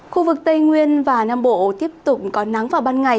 khu vực tây nguyên và nam bộ tiếp tục có nắng vào ban ngày